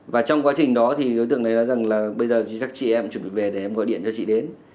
và trong quá trình đó thì đối tượng này nói rằng là bây giờ thì các chị em chuẩn bị về để em gọi điện cho chị đến